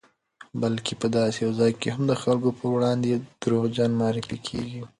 بلکې په داسې یو ځای کې هم د خلکو پر وړاندې دروغجن معرفي کېږي